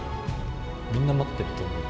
みんな待っていると思う。